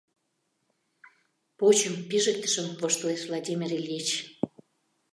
«почым» пижыктышым, — воштылеш Владимир Ильич.